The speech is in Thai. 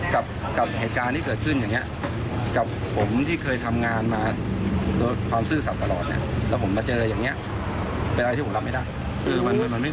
กลอนหน้านี้ทีมข่าว